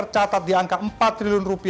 tentara dagang tempat antara kami